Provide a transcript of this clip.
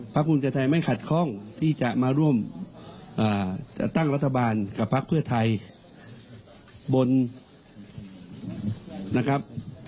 ภักดิ์ภูมิใจไทยไม่ขัดคล่องที่จะมาร่วมจะตั้งรัฐบาลกับภักดิ์เพื่อไทยบนนะครับ